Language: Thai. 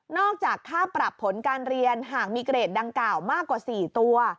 จากค่าปรับผลการเรียนหากมีเกรดดังกล่าวมากกว่า๔ตัว